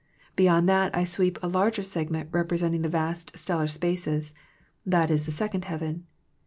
Beyond that I sweep a larger segment representing the vast stellar spaces. That is the second heaven.